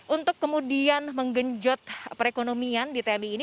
untuk kemudian menggenjot perekonomian di tmi ini